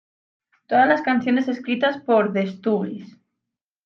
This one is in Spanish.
Todas las canciones escritas por The Stooges.